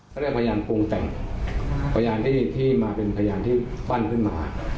เขาเรียกพยานปรุงแต่งพยานที่มาเป็นพยานที่ปั้นขึ้นมา